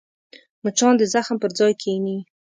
مچان د زخم پر ځای کښېني